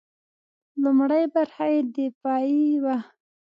لومړۍ برخه یې دفاعي وه.